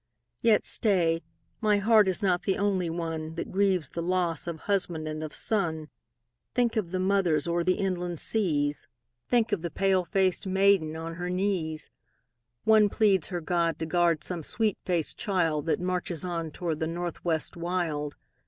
Yet stay, my heart is not the only one That grieves the loss of husband and of son; Think of the mothers o'er the inland seas; Think of the pale faced maiden on her knees; One pleads her God to guard some sweet faced child That marches on toward the North West wild.